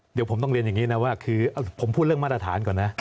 เดี๋ยวผมต้องเรียนอย่างนี้นะว่าคือผมพูดเรื่องมาตรฐานก่อนนะ